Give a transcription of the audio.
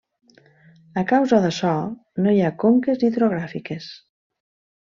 A causa d'açò, no hi ha conques hidrogràfiques.